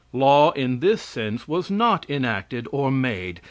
Law, in this sense, was not enacted or made.